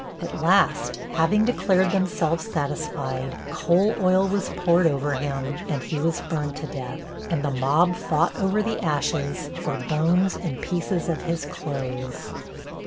At last, having declared themselves satisfied, coal oil was poured over him and he was burned to death, and the mob fought over the ashes for bones and pieces of his clothes.